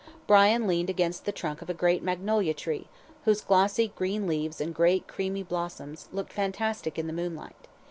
Brian leaned against the trunk of a great magnolia tree, whose glossy green leaves and great creamy blossoms looked fantastic in the moonlight.